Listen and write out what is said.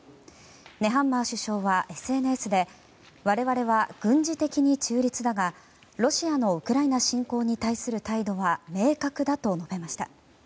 ネハンマー首相はＳＮＳで我々は軍事的に中立だがロシアのウクライナ侵攻に対する態度は明確だと述べました。